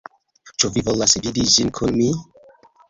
Ĉu vi volas vidi ĝin kun mi?